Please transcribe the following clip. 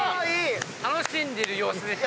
楽しんでる様子でしたね。